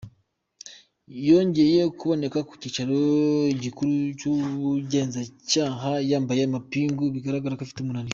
Yongeye kuboneka ku cyicaro gikuru cy’ubugenzacyaha yambaye amapingu, bigaragara ko afite umunaniro.